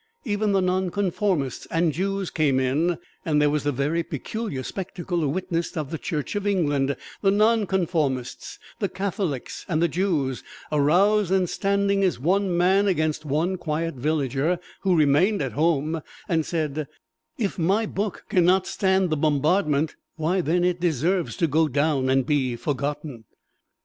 Even the Non Conformists and Jews came in, and there was the very peculiar spectacle witnessed of the Church of England, the Non Conformists, the Catholics and the Jews aroused and standing as one man, against one quiet villager who remained at home and said, "If my book can not stand the bombardment, why then it deserves to go down and to be forgotten."